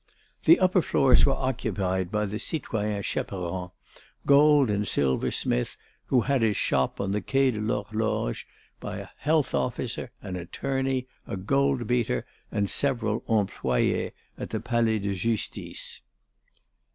The upper floors were occupied by the citoyen Chaperon, gold and silver smith, who had his shop on the Quai de l'Horloge, by a health officer, an attorney, a goldbeater, and several employés at the Palais de Justice.